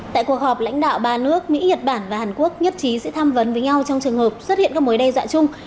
tại cuộc họp lãnh đạo ba nước mỹ nhật bản và hàn quốc nhất trí sẽ tham vấn với nhau trong trường hợp xuất hiện các mối đe dọa chung